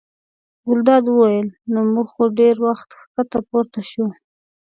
ګلداد وویل: نو موږ خو ډېر وخت ښکته پورته شوو.